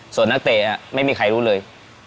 ส่วนนักเตะไม่มีใครรู้เลย